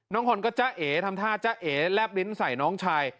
น้องฮ่อนก็จะเอทำท่าจะเอแลบลิ้นใส่น้องชาย